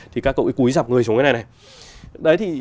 thì các cậu cứ cúi dạp người xuống cái này này